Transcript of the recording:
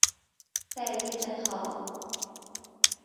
سرویس خواب